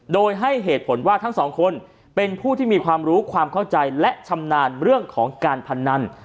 โดยให้เหตุผลว่าทั้งสองคนเป็นผู้ที่มีความรู้ความเข้าใจและชำนาญเรื่องของการพนัน